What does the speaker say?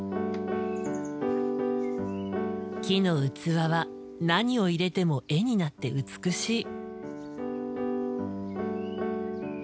木の器は何を入れても絵になって美しい。